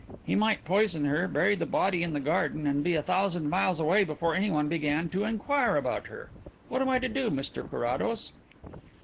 He might poison her, bury the body in the garden, and be a thousand miles away before anyone began even to inquire about her. What am I to do, Mr Carrados?"